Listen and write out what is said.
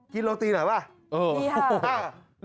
กินโรตีหน่อยป่ะเอ้อออเออ